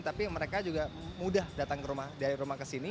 tapi mereka juga mudah datang ke rumah dari rumah ke sini